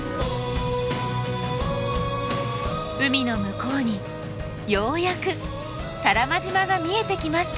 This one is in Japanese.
海の向こうにようやく多良間島が見えてきました。